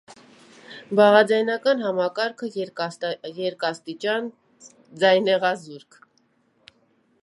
Բաղաձայնական համակարգը՝ երկաստիճան ձայնեղազուրկ։